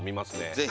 ぜひ。